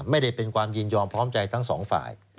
ไม่ได้เป็นความยินยอมพร้อมใจทั้งสองฝ่าย